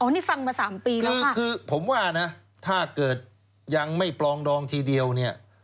นี่ฟังมา๓ปีแล้วคือผมว่านะถ้าเกิดยังไม่ปลองดองทีเดียวเนี่ย